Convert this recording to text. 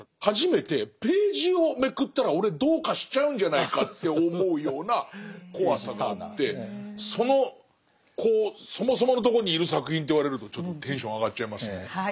初めてページをめくったら俺どうかしちゃうんじゃないかって思うような怖さがあってそのそもそものところにいる作品って言われるとちょっとテンション上がっちゃいますね。